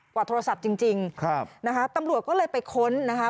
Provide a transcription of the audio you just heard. โทรศัพท์จริงจริงครับนะคะตำรวจก็เลยไปค้นนะคะ